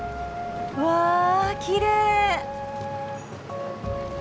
うわきれい。